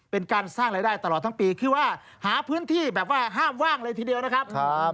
เป็นการสร้างรายได้ตลอดทั้งปีคือว่าหาพื้นที่แบบว่าห้ามว่างเลยทีเดียวนะครับ